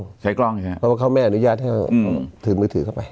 เพราะว่าเขาไม่อนุญาตให้ถือมือถือเข้าไป